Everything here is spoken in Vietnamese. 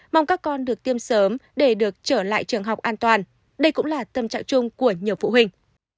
mong các con được tiêm sớm để được trở lại trường học an toàn đây cũng là tâm trạng chung của nhiều phụ huynh